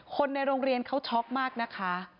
คนในโรงเรียนเขาช็อกมากนะคะ